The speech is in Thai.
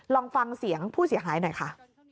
ลองฟังเสียงผู้เสียหายหน่อยค่ะ